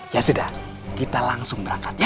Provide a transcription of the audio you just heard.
ya sudah kita langsung berangkat